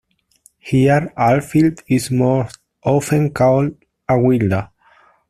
Here Alfhild is most often called Awilda.